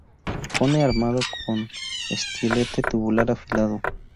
Pene armado con estilete tubular afilado.